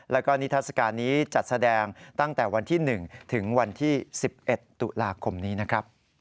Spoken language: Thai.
แล้วก็นิทัศกาลนี้จัดแสดงตั้งแต่วันที่๑ถึงวันที่๑๑ตุลาคมนี้นะครับ